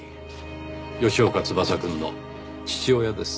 吉岡翼くんの父親です。